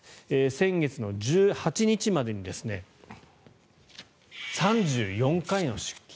先月１８日までに３４回の出金。